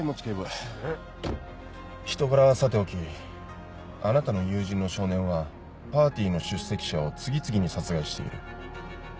人柄はさておきあなたの友人の少年はパーティーの出席者を次々に殺害している。